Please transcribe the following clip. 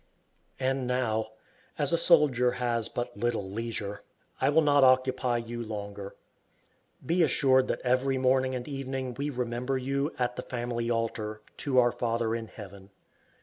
And now, as a soldier has but little leisure, I will not occupy you longer. Be assured that every morning and evening we remember you, at the family altar, to our Father in Heaven.